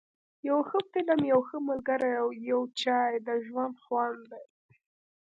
یو ښه فلم، یو ښه ملګری او یو چای ، د ژوند خوند دی.